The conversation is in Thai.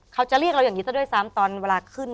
เฮ้าจะเรียกเราอย่างงี้ซ้ำว่าเวลาขึ้น